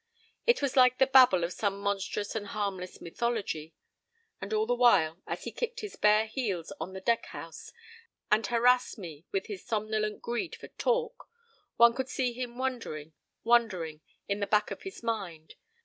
It was like the babble of some monstrous and harmless mythology. And all the while, as he kickedhis bare heels on the deckhouse and harassed me with his somnolent greed for "talk," one could see him wondering, wondering, in the back of his mind.